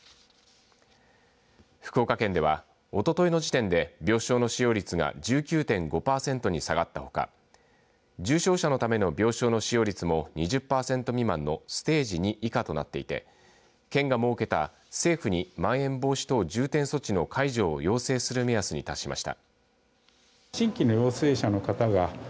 福岡県では、おとといの時点で病床の使用率が１９．５％に下がったほか重症者のための病床の使用率も２０パーセント未満のステージ２以下となっていて県が設けた政府にまん延防止等重点措置の解除を要請する目安に達しました。